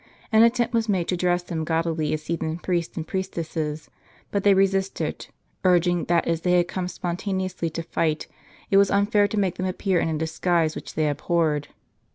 An attempt was made to dress them gaudily as heathen priests and priestesses ; but they resisted, urging that as they had come spontaneously to the fight, it was unfair to make them appear in a disguise which they abhorred.